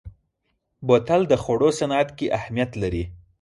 بوتل د خوړو صنعت کې اهمیت لري.